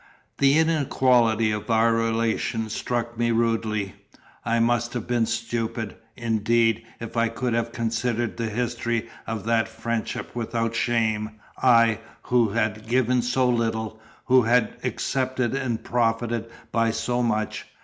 The inequality of our relation struck me rudely. I must have been stupid, indeed, if I could have considered the history of that friendship without shame I, who had given so little, who had accepted and profited by so much.